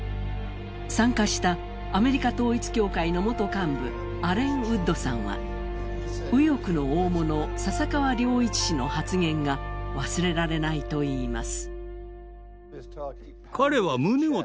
参加したアメリカ統一教会の元幹部、アレン・ウッドさんは右翼の大物、笹川良一氏の発言が忘れられないと言います。